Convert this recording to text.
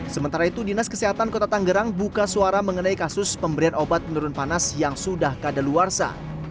sementara itu dinas kesehatan kota tanggerang buka suara mengenai kasus pemberian obat penurun panas yang sudah kadaluarsa